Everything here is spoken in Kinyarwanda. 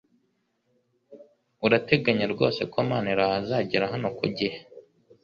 Urateganya rwose ko Maniraho azagera hano ku gihe?